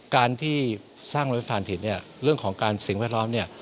การที่สร้างรถไฟฟ้าผิดเนี่ยเรื่องของการสิ่งแวดล้อมเนี่ย